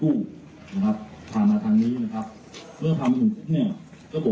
แล้วก็ได้สมบูรณ์ถือเป็นหนึ่งเครื่องนะครับ